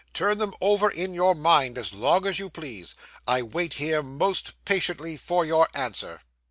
Turn them over in your mind as long as you please. I wait here most patiently for your answer.